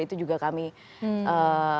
itu juga kami jaga betul betul